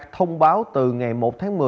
thông báo từ ngày một tháng một mươi